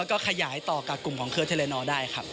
แล้วก็ขยายต่อกับกลุ่มของเครือเทรนอร์ได้ครับ